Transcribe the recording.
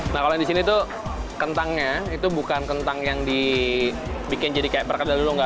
nah kalau yang di sini tuh kentangnya itu bukan kentang yang dibikin jadi kayak perkedel dulu nggak